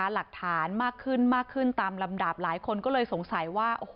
หลักฐานมากขึ้นตามลำดาบหลายคนก็เลยสงสัยว่า